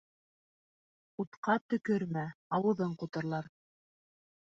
Утҡа төкөрмә, ауыҙың ҡутырлар